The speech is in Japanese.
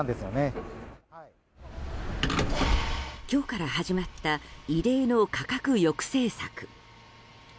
今日から始まった異例の価格抑制策。